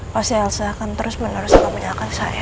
pas elsa akan terus meneruskan menyelamatkan saya